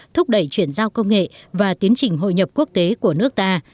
thúc đẩy chuyển giao công nghệ và tiến trình hội nhập quốc tế của nước ta